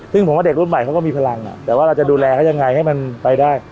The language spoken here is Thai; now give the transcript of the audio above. ซึ่งผมว่าเด็กรุ่นใหม่เขาก็มีพลังแต่ว่าเราจะดูแลเขายังไงให้มันไปได้